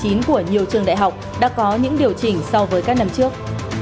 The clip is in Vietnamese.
tuyển sinh năm hai nghìn một mươi chín của nhiều trường đại học đã có những điều chỉnh so với các năm trước